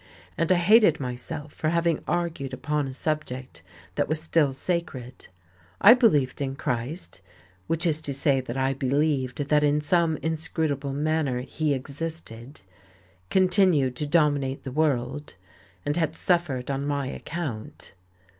And I hated myself for having argued upon a subject that was still sacred. I believed in Christ, which is to say that I believed that in some inscrutable manner he existed, continued to dominate the world and had suffered on my account.